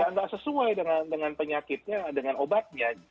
nggak sesuai dengan penyakitnya dengan obatnya